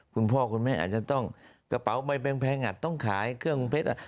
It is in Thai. คุณพ่อคุณแม่อาจจะต้องกระเป๋าใบแพงอาจต้องขายเครื่องเพชร